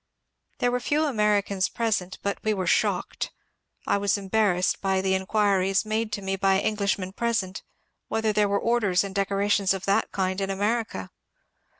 There were few Americans present, but we were shocked. I was embarrassed by the inquiries made to me by EDglishmen present, whether there were orders and decora tions of that kind in America.